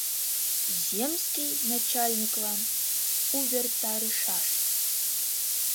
Земский начальниклан увертарышаш...